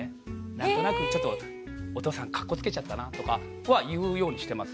何となくちょっとお父さんかっこつけちゃったなとかは言うようにしてます。